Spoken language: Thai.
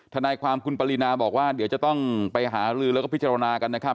ทนายความคุณปรินาบอกว่าเดี๋ยวจะต้องไปหาลือแล้วก็พิจารณากันนะครับ